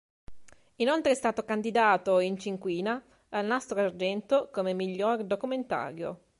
Inoltre è stato candidato in cinquina al Nastro d'argento come miglior documentario.